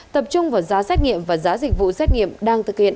tập trung vào giá xét nghiệm và giá dịch vụ xét nghiệm đang thực hiện